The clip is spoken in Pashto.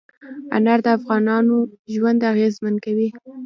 انار د افغانانو ژوند اغېزمن کوي.